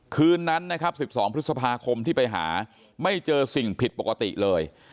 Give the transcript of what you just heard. คืนนั้นนะครับ๑๒พฤษภาคมที่ไปหาไม่เจอสิ่งผิดปกติเลย